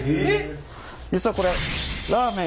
実はこれラーメン